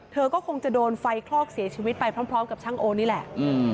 เธอก็คงจะโดนไฟคลอกเสียชีวิตไปพร้อมกับช่างโอนี่แหละ